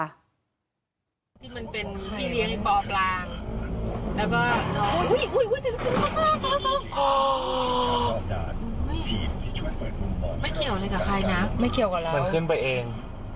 นี่มันเป็นพี่เลี้ยงป่อปล่านไม่เกี่ยวกับใครนะไม่เกี่ยวกับเราอ่ะมันขึ้นไปเอง